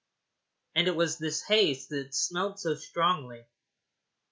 And it was this haze that smelled so strongly.